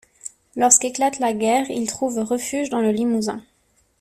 Lorsque éclate la guerre, il trouve refuge dans le Limousin.